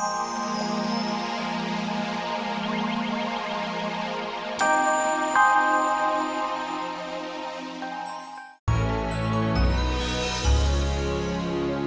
terima kasih sudah nonton